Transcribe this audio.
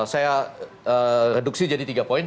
saya reduksi jadi tiga poin